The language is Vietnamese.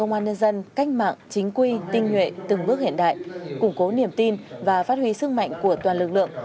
nhân dân cách mạng chính quy tinh nguyện từng bước hiện đại củng cố niềm tin và phát huy sức mạnh của toàn lực lượng